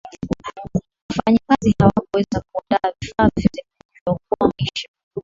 wafanyakazi hawakuweza kuandaa vifaa vyote vinavyookoa maisha